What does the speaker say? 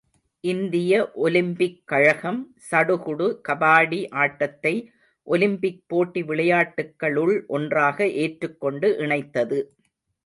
இந்திய ஒலிம்பிக் கழகம், சடுகுடு கபாடி ஆட்டத்தை ஒலிம்பிக் போட்டி விளையாட்டுக்களுள் ஒன்றாக, ஏற்றுக்கொண்டு இணைத்தது.